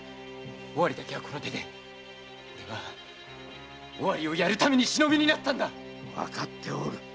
尾張だけはこの手でおれは尾張をやるために「忍び」になったんだわかっておる。